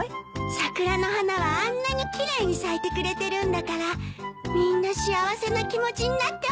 桜の花はあんなに奇麗に咲いてくれてるんだからみんな幸せな気持ちになってほしいもの。